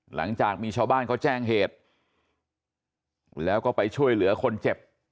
หลังจากมีชาวบ้านเขาแจ้งเหตุแล้วก็ไปช่วยเหลือคนเจ็บ